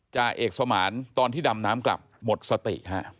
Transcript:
จ่าเอกสมานตอนที่ดำน้ำกลับหมดสติฮะ